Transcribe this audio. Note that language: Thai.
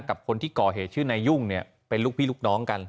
กับคนที่ก่อเหตุชื่อนายยุ่งเนี่ยเป็นลูกพี่ลูกน้องกัน